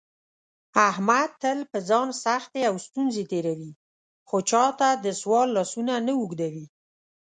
احمد تل په ځان سختې او ستونزې تېروي، خو چاته دسوال لاسونه نه اوږدوي.